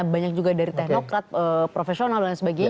banyak juga dari teknokrat profesional dan sebagainya